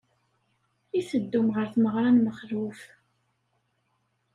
I teddum ɣer tmeɣra n Mexluf?